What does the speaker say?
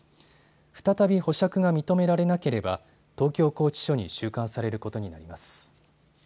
再び保釈が認められなければ東京拘置所に収監されることになります。